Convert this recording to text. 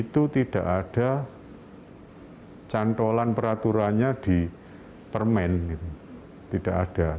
itu tidak ada cantolan peraturannya di permen tidak ada